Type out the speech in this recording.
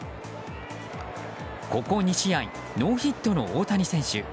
ここ２試合、ノーヒットの大谷選手。